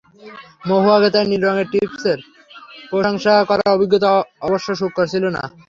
মহুয়াকে তার নীল রঙের টিপের প্রশংসা করার অভিজ্ঞতা অবশ্য সুখকর ছিল না।